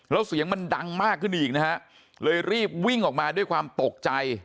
แล้วเสียงมันดังมากขึ้นอีกนะฮะเลยรีบวิ่งออกมาด้วยความตกใจ